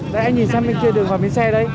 đấy anh nhìn xem bên kia đường vào bến xe đấy